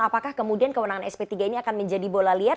apakah kemudian kewenangan sp tiga ini akan menjadi bola liar